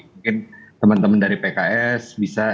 mungkin teman teman dari pks bisa